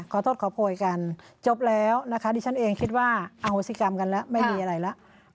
ขอโทษขอโพยกันจบแล้วนะคะดิฉันเองคิดว่าอโหสิกรรมกันแล้วไม่มีอะไรแล้ว